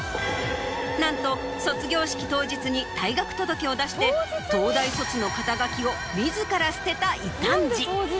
なんと卒業式当日に退学届を出して東大卒の肩書を自ら捨てた異端児。